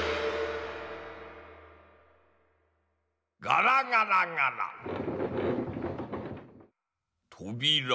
ガラガラガラ。